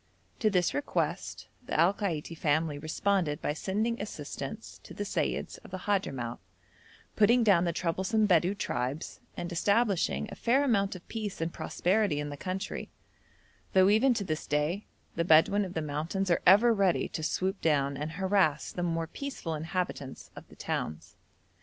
To this request the Al Kaiti family responded by sending assistance to the Seyyids of the Hadhramout, putting down the troublesome Bedou tribes, and establishing a fair amount of peace and prosperity in the country, though even to this day the Bedouin of the mountains are ever ready to swoop down and harass the more peaceful inhabitants of the towns.